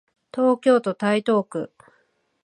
東京都台東区